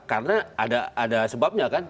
karena ada sebabnya kan